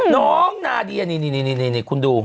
น้องนาเดียนี่คุณดู